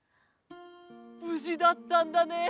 ぶじだったんだね！